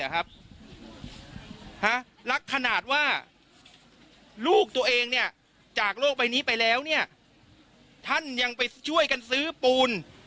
ฮะรักขนาดว่าลูกตัวเองเนี่ยจากโลกไปนี้ไปแล้วเนี่ยท่านยังไปช่วยกันซื้อปูน